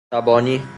تبانی